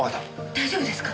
大丈夫ですか？